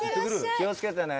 気を付けてね。